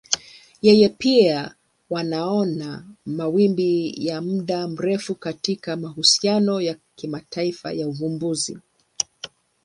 Yeye pia wanaona mawimbi ya muda mrefu katika mahusiano ya kimataifa ya uvumbuzi.